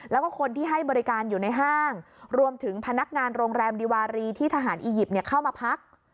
แล้วก็คนที่ให้บริการอยู่ในห้างรวมถึงพนักงานโรงแรมดีวารีที่ทหารอียิปต์เข้ามาพัก